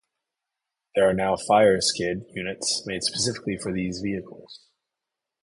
There are now fire skid units made specifically for these vehicles.